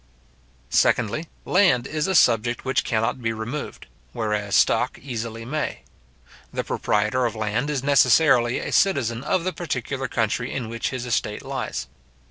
Secondly, land is a subject which cannot be removed; whereas stock easily may. The proprietor of land is necessarily a citizen of the particular country in which his estate lies.